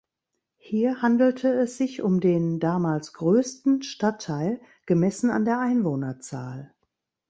Hier handelte es sich um den damals größten Stadtteil gemessen an der Einwohnerzahl.